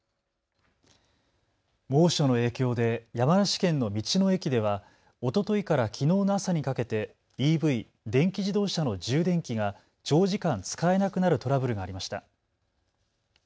猛暑の影響で山梨県の道の駅ではおとといからきのうの朝にかけてＥＶ・電気自動車の充電器が長時間、使えなくなるトラブルがありました。